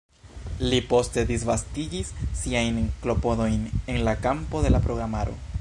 Li poste disvastigis siajn klopodojn en la kampo de la programaro.